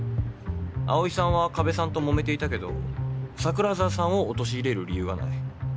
葵さんは加部さんともめていたけど桜沢さんを陥れる理由はない。